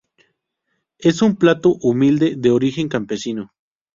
Es un plato humilde de origen campesino.